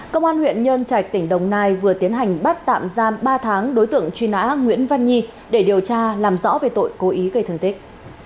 công an huyện nhân trạch tỉnh đồng nai vừa tiến hành bắt tạm giam ba tháng đối tượng truy nã nguyễn văn nhi để điều tra làm rõ về tội cố ý gây thương tích